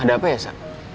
ada apa ya sa